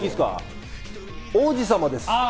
王子様です。